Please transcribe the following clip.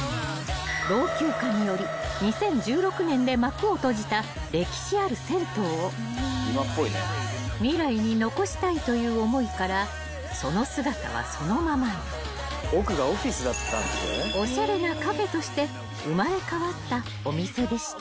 ［老朽化により２０１６年で幕を閉じた歴史ある銭湯を未来に残したいという思いからその姿はそのままにおしゃれなカフェとして生まれ変わったお店でした］